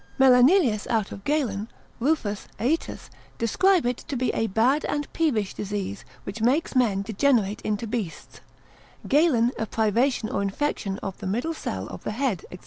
Melanelius out of Galen, Ruffus, Aetius, describe it to be a bad and peevish disease, which makes men degenerate into beasts: Galen, a privation or infection of the middle cell of the head, &c.